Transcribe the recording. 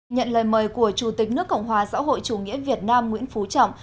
nhận lời mời của chủ tịch nước cộng hòa xã hội chủ nghĩa việt nam nguyễn phú trọng